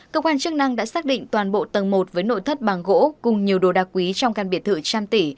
cơ quan chức năng đã xác định toàn bộ tầng một với nội thất bằng gỗ cùng nhiều đồ đạc quý trong căn biệt thự trăm tỷ